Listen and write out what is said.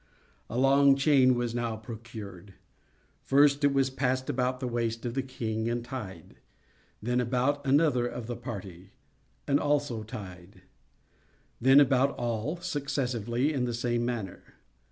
A long chain was now procured. First, it was passed about the waist of the king, and tied; then about another of the party, and also tied; then about all successively, in the same manner.